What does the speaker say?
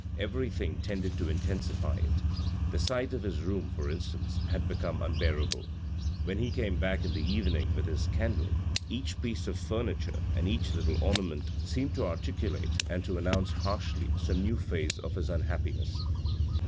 Everything tended to intensify it. The sight of his room, for instance, had become unbearable. When he came back in the evening with his candle, each piece of furniture and each little ornament seemed to become articulate, and to announce harshly some new phase of his unhappiness.